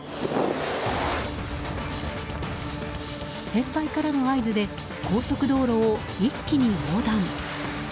先輩からの合図で高速道路を一気に横断。